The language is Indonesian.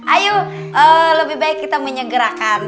ayo lebih baik kita menyegerakan